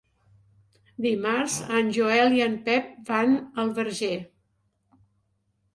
Dimarts en Joel i en Pep van al Verger.